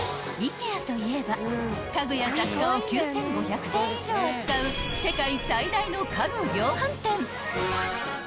［ＩＫＥＡといえば家具や雑貨を９，５００点以上扱う世界最大の家具量販店］